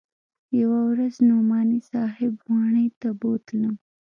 يوه ورځ نعماني صاحب واڼې ته بوتلم.